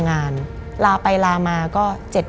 มันกลายเป็นรูปของคนที่กำลังขโมยคิ้วแล้วก็ร้องไห้อยู่